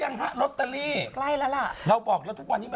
คุณเจอคุณกึ่งวันหลับก็เชิญคุณกึ่งมาสิ